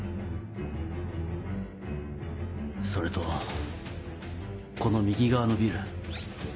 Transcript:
それとこの右側のビル。